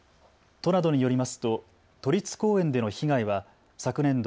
都などによりますと都立公園での被害は昨年度